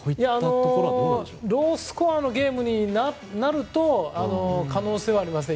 ロースコアのゲームになると可能性はありますね。